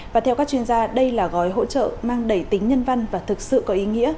và theo các chuyên gia đây là gói hỗ trợ mang đầy tính nhân văn và thực sự có ý nghĩa